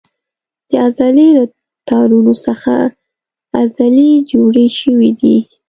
د عضلې له تارونو څخه عضلې جوړې شوې دي.